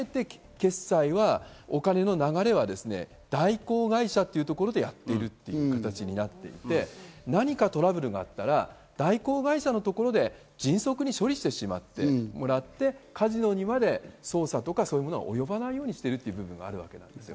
だから、あえて決済は、お金の流れは代行会社というところでやっている形になっていて、何かトラブルがあったら代行会社のところで迅速に処理してしまって、カジノにまで捜査は及ばないようにしている部分があるわけです。